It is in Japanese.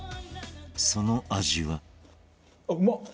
その味は